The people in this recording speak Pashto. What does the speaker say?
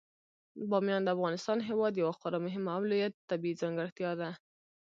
بامیان د افغانستان هیواد یوه خورا مهمه او لویه طبیعي ځانګړتیا ده.